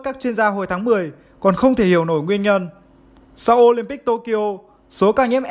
các chuyên gia hồi tháng một mươi còn không thể hiểu nổi nguyên nhân sau olympic tokyo số ca nhiễm